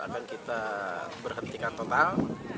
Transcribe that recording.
akan kita berhentikan total